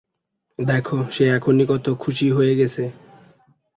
দেখো সে এখনই কত খুশি হয়ে গেছে।